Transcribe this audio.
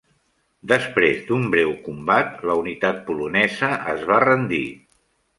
Després d'un breu combat, la unitat polonesa es va rendir.